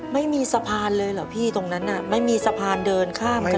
ไม่มีสะพานเลยเหรอพี่ตรงนั้นน่ะไม่มีสะพานเดินข้ามกัน